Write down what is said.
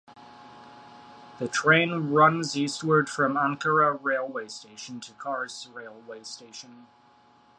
The train runs eastward from Ankara Railway Station to Kars Railway Station.